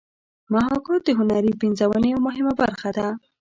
محاکات د هنري پنځونې یوه مهمه برخه ده